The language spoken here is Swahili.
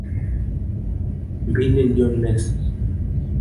MbiliLionel Messi